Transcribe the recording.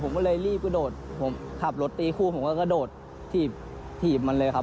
ผมก็เลยรีบกระโดดผมขับรถตีคู่ผมก็กระโดดถีบถีบมันเลยครับ